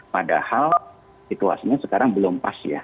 padahal situasinya sekarang belum pas ya